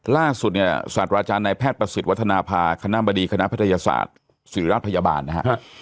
ล่าสุดเนี่ยสวัสดิ์ราชาณายแพทย์ประสิทธิ์วัฒนภาคณะบดีคณะพัทยศาสตร์สิริรัตน์พยาบาลนะครับ